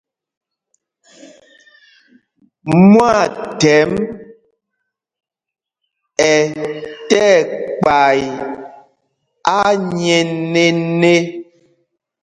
Mwaathɛmb ɛ tí ɛkpay anyēnēnē.